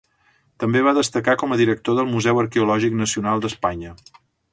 També va destacar com a director del Museu Arqueològic Nacional d'Espanya.